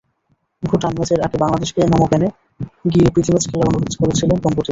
ভুটান ম্যাচের আগে বাংলাদেশকে নমপেনে গিয়ে প্রীতি ম্যাচ খেলার অনুরোধ করেছিল কম্বোডিয়া।